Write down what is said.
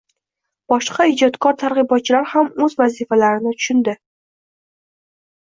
Boshqa ijodkor-targ‘ibotchilar ham o‘z vazifalarini tushundi.